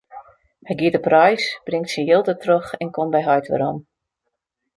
Hy giet op reis, bringt syn jild dertroch en komt by heit werom.